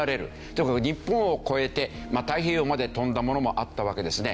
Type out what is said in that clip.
という事で日本を超えて太平洋まで飛んだものもあったわけですね。